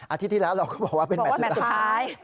ที่แล้วเราก็บอกว่าเป็นแมทสุดท้าย